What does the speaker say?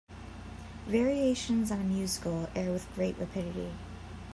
Variations on a musical air With great rapidity.